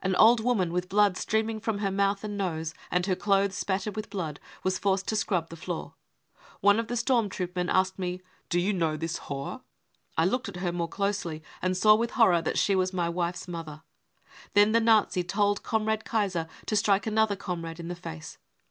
An old woman, with blood streaming from her mouth and nose, and her clothes spattered with blood, was forced to scrub the floor. One of the storm troop men asked me :£ Do you know this whore ? 9 I looked at her more closely, and saw with horror thafr she was my wife's mother. Then the Nazi told Comrade Kaiser to strike an other comrade in the face.